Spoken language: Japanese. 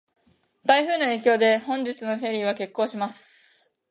台風の影響で、本日のフェリーは欠航します。